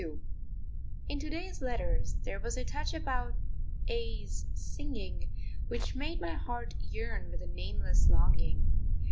_ In to day's letters there was a touch about A 's singing which made my heart yearn with a nameless longing.